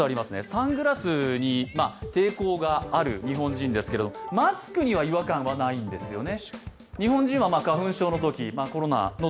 サングラスに抵抗がある日本人ですけどマスクには違和感はないんですよね。